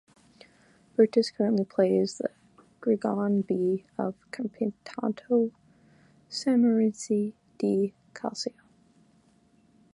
Virtus currently plays in "Girone B" of Campionato Sammarinese di Calcio.